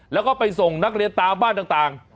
แล้วก็ไปส่งนักเรียนตามบ้านต่าง